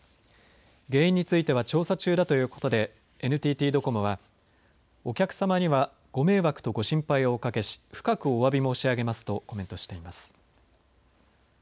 原因については調査中だということでＮＴＴドコモはお客様にはご迷惑とご心配をおかけし深くおわび申し上げますとコメントしています。